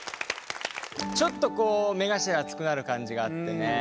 ちょっとこう目頭熱くなる感じがあってね。